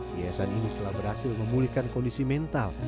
yayasan ini telah berhasil memulihkan kondisi mental